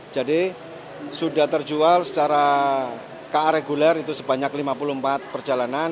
jadi sudah terjual secara ka reguler itu sebanyak lima puluh empat perjalanan